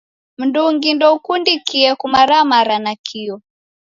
Mndungi ndoukundikie kumaramara nakio.